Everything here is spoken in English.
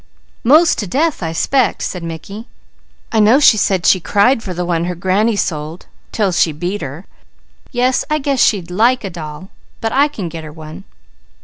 "'Most to death I 'spect," said Mickey. "I know she said she cried for the one her granny sold, 'til she beat her. Yes I guess she'd like a doll; but I can get her one."